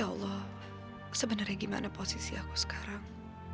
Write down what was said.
ya allah sebenarnya gimana posisi aku sekarang